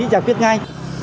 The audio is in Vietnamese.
giải quyết ngay